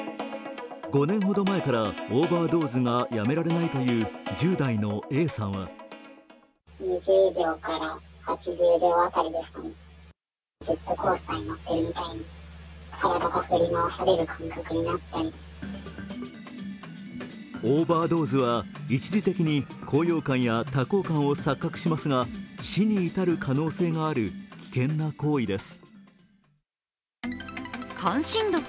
５年ほど前からオーバードーズがやめられないという１０代のＡさんはオーバードーズは一時的に高揚感や多幸感を錯覚しますが死に至る可能性がある危険な行為です。